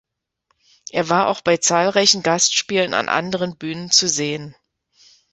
Er war auch bei zahlreichen Gastspielen an anderen Bühnen zu sehen.